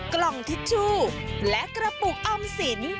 กล่องทิชชู่และกระปุกออมสิน